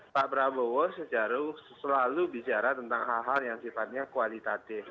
pak prabowo selalu bicara tentang hal hal yang sifatnya kualitatif